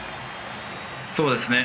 そうですね。